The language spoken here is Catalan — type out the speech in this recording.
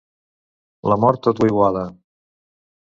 La mort tot ho iguala.